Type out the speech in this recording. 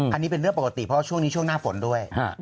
อันนี้เป็นเรื่องปกติเพราะว่าช่วงนี้ช่วงหน้าฝนด้วย